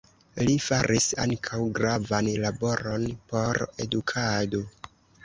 Li faris ankaŭ gravan laboron por edukado.